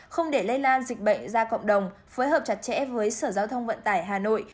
không để lây lan dịch bệnh ra cộng đồng phối hợp chặt chẽ với sở giao thông vận tải hà nội